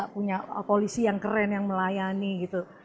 punya polisi yang keren yang melayani gitu